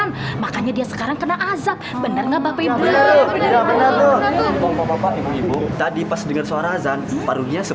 tidak ada kuasa dan upaya